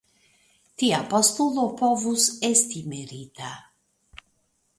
Tia postulo povus esti merita.